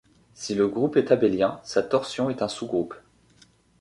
Si le groupe est abélien, sa torsion est un sous-groupe.